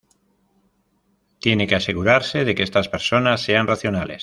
Tiene que asegurarse de que estas personas sean racionales".